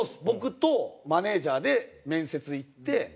僕とマネジャーで面接行って。